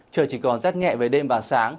trời chỉ còn rất nhẹ về đêm và sáng